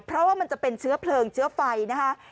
เพราะว่ามันจะเป็นเชื้อเพลิงเชื้อไฟนะคะ